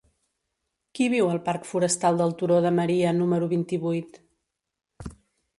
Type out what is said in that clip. Qui viu al parc Forestal del Turó de Maria número vint-i-vuit?